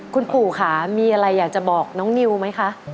คุณปู่ค่ะมีอะไรอยากจะบอกน้องนิวไหมคะ